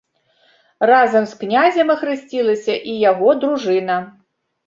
Разам з князем ахрысцілася і яго дружына.